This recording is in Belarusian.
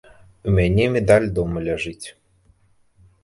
У мяне медаль дома ляжыць.